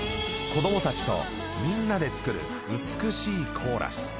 子どもたちとみんなで作る美しいコーラス。